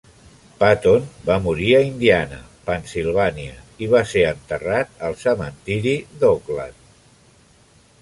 Patton va morir a Indiana, Pennsilvània, i va ser enterrat al cementiri d'Oakland.